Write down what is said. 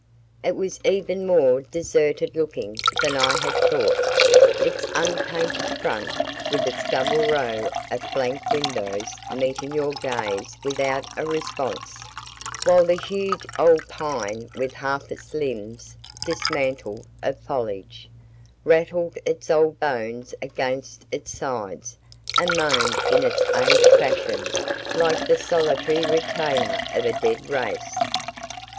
It was even more deserted looking than I had thought; its unpainted front with its double row of blank windows meeting your gaze without a response, while the huge old pine with half its limbs dismantled of foliage, rattled its old bones against its sides and moaned in its aged fashion like the solitary retainer of a dead race.